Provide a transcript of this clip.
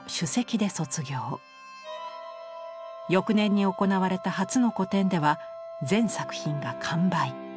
翌年に行われた初の個展では全作品が完売。